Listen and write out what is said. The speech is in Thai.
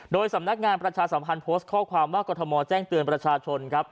โดยสำนักงานประชาสัมพันธ์โพสต์ข้อความว่ากรทมแจ้งเตือนประชาชนครับ